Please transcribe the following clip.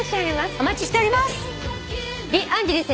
お待ちしております。